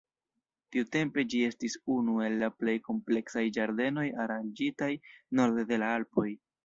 Tiutempe, ĝi estis unu el la plej kompleksaj ĝardenoj aranĝitaj norde de la Alpoj.